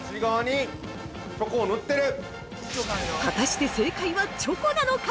◆果たして、正解はチョコなのか？